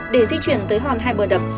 để di chuyển tới hòn hai bờ đập